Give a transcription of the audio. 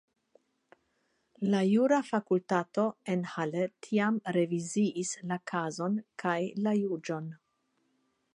La jura fakultato en Halle tiam reviziis la kazon kaj la juĝon.